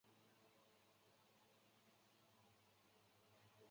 白栎为壳斗科栎属的植物。